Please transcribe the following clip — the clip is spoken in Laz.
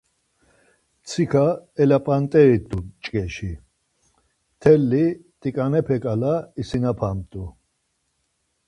Mtsika elap̌ant̆eri t̆u mç̌ǩeşi, mteli tiǩanepe ǩala isinapamt̆u.